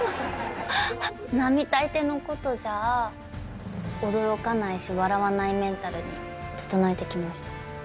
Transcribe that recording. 並大抵のことじゃ、驚かないし、笑わないメンタルに整えてきました。